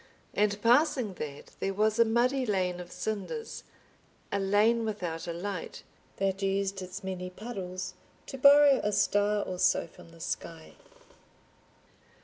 And passing that there was a muddy lane of cinders, a lane without a light, that used its many puddles to borrow a star or so from the sky.